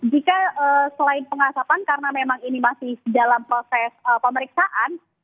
jika selain pengasapan karena memang ini masih dalam proses pemeriksaan